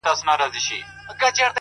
o دادی حالاتو سره جنگ کوم لگيا يمه زه؛